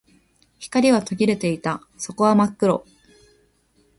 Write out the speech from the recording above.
光は途切れていた。底は真っ暗。